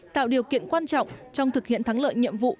tạo điều kiện quan trọng trong thực hiện thắng lợi nhiệm vụ